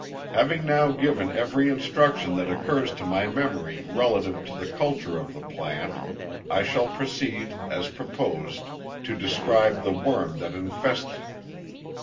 Having now given every instruction that occurs to my memory relative to the culture of the plant, I shall proceed, as proposed, to describe the worm that infests it.